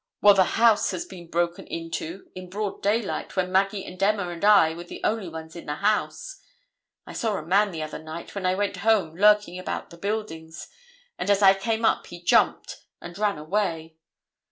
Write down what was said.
"Well, the house has been broken into in broad daylight when Maggie and Emma and I were the only ones in the house. I saw a man the other night when I went home lurking about the buildings, and as I came he jumped and ran away.